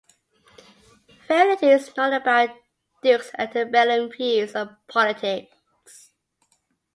Very little is known about Duke's antebellum views on politics.